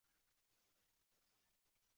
朴勍完是一名韩国男子棒球运动员。